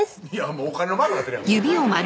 もうお金のマークなってるやん